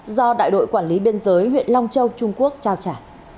do đại đội quản lý biên giới huyện long châu trung quốc trao trả